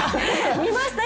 見ましたよ